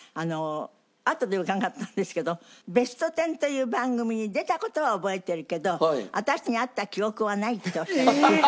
あとで伺ったんですけど『ベストテン』という番組に出た事は覚えてるけど私に会った記憶はないっておっしゃっていました。